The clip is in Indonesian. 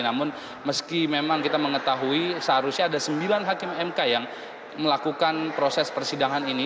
namun meski memang kita mengetahui seharusnya ada sembilan hakim mk yang melakukan proses persidangan ini